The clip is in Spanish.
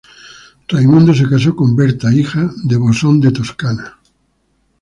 Raimundo se casó con Berta, hija de Bosón de Toscana.